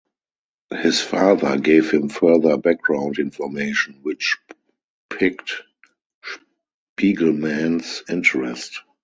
His father gave him further background information, which piqued Spiegelman's interest.